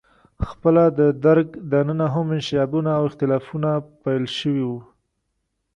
خپله د درګ دننه هم انشعابونه او اختلافونه پیل شوي وو.